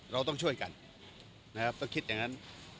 เราต้องช่วยกันนะครับต้องคิดอย่างนั้น